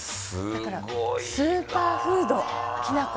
「だからスーパーフードきな粉」